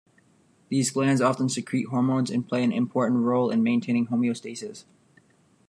These glands often secrete hormones, and play an important role in maintaining homeostasis.